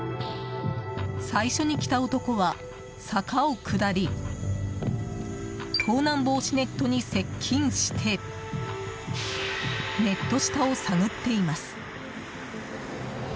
最初に来た男は、坂を下り盗難防止ネットに接近してネット下を探っています。